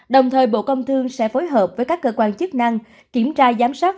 đồng thời bộ công thương sẽ phối hợp với các cơ quan chức năng kiểm tra giám sát